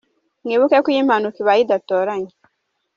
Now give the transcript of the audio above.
Mwibuke ko iyo impanuka ibaye idatoranya.